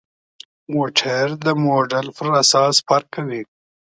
موټر د موډل پر اساس فرق کوي.